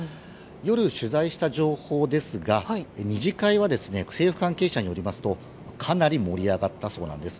夜取材した情報ですが２次会は政府関係者によりますとかなり盛り上がったそうです。